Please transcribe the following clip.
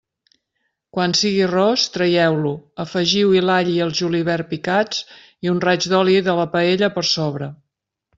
Quan sigui ros, traieu-lo, afegiu-hi l'all i el julivert picats i un raig d'oli de la paella per sobre.